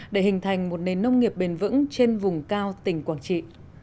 để hình thành một nền nông nghiệp bền vững trên vùng cao tỉnh quảng trị